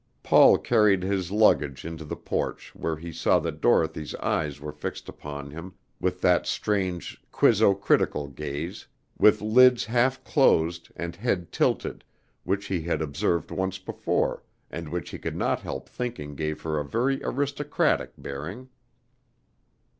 Paul carried his luggage into the porch where he saw that Dorothy's eyes were fixed upon him with that strange quizzo critical gaze, with lids half closed and head tilted, which he had observed once before, and which he could not help thinking gave her a very aristocratic bearing.